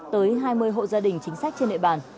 tới hai mươi hộ gia đình chính sách trên địa bàn